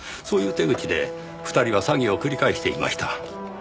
そういう手口で２人は詐欺を繰り返していました。